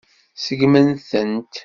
Seggmen-tent.